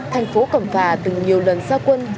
thành phố cầm phà từng nhiều lần xa quân